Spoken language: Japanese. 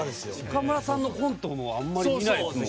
岡村さんのコントもあんまり見ないですね。